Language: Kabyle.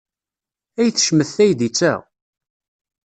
Ay tecmet teydit-a!